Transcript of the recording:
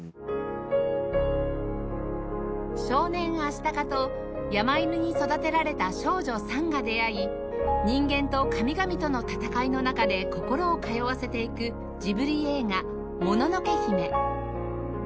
少年アシタカと山犬に育てられた少女サンが出会い人間と神々との戦いの中で心を通わせていくジブリ映画『もののけ姫』